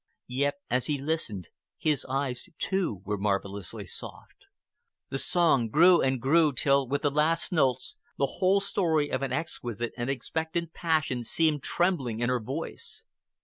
Yet, as he listened, his eyes, too, were marvelously soft. The song grew and grew till, with the last notes, the whole story of an exquisite and expectant passion seemed trembling in her voice.